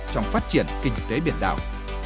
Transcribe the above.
trong phát triển kinh tế biển đảo